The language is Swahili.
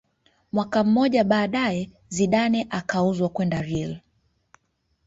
Mwaka mmoja baadaye Zidane akauzwa kwenda real